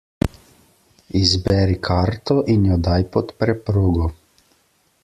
Izberi karto in jo daj pod preprogo.